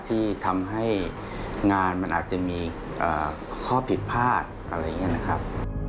ที่ทำให้งานมันอาจจะมีข้อผิดพลาดอะไรอย่างนี้นะครับ